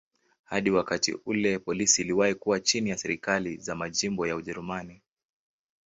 Hadi wakati ule polisi iliwahi kuwa chini ya serikali za majimbo ya Ujerumani.